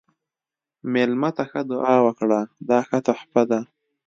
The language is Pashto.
مېلمه ته ښه دعا ورکړه، دا ښه تحفه ده.